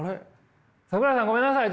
桜井さんごめんなさい。